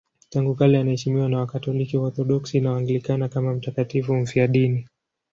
Tangu kale anaheshimiwa na Wakatoliki, Waorthodoksi na Waanglikana kama mtakatifu mfiadini.